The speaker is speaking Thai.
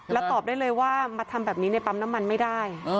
แล้วตอบได้เลยว่ามาทำแบบนี้ในปั๊มน้ำมันไม่ได้